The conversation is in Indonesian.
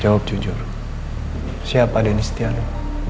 jawab jujur siapa denny setiano